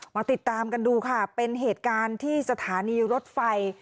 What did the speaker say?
มาติดตามกันดูค่ะเป็นเหตุการณ์ที่สถานีรถไฟ